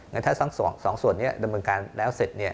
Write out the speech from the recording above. อย่างนั้นถ้าสองส่วนนี้ดำเนินการแล้วเสร็จ